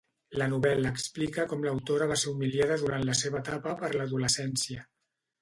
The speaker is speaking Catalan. La novel·la explica com l'autora va ser humiliada durant la seva etapa per l'adolescència.